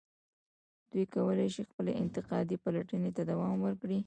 دوی کولای شي خپلې انتقادي پلټنې ته دوام ورکړي.